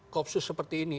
kopsus seperti ini